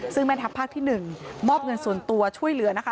ซึ่งแม่ทัพภาคที่๑มอบเงินส่วนตัวช่วยเหลือนะคะ